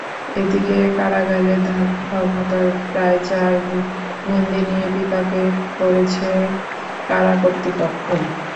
এদিকে কারাগারে ধারণক্ষমতার প্রায় চার গুণ বন্দী নিয়ে বিপাকে পড়েছে কারা কর্তৃপক্ষও।